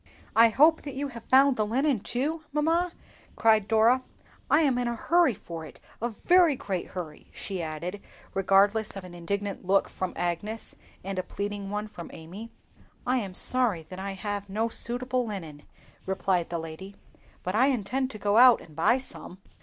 "I hope that you have found the linen too, mamma," cried Dora; "I am in a hurry for it, a very great hurry," she added, regardless of an indignant look from Agnes, and a pleading one from Amy. "I am sorry that I have no suitable linen," replied the lady, "but I intend to go out and buy some."